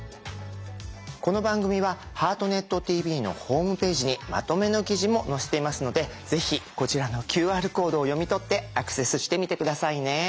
この番組は「ハートネットＴＶ」のホームページにまとめの記事も載せていますのでぜひこちらのＱＲコードを読み取ってアクセスしてみて下さいね。